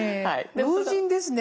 老人ですね。